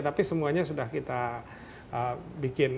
tapi semuanya sudah kita bikin